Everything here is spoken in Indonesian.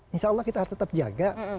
insya allah kita harus tetap jaga